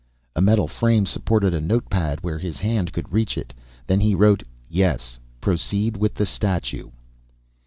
A metal frame supported a note pad where His hand could reach it. Then he wrote, "Yes. Proceed with the statue."